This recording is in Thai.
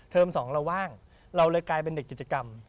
สองเราว่างเราเลยกลายเป็นเด็กกิจกรรม